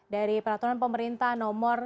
dari peraturan pemerintah nomor